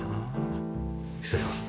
失礼します。